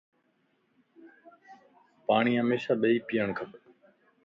پاڻين ھميشا ٻيئي پيڻ کپ